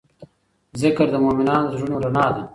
ذکر د مؤمنانو د زړونو رڼا ده.